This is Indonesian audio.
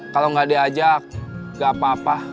kalau nggak diajak gak apa apa